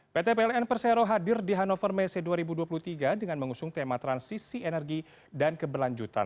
pt pln persero hadir di hannover messe dua ribu dua puluh tiga dengan mengusung tema transisi energi dan keberlanjutan